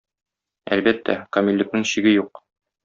Әлбәттә, камиллекнең чиге юк.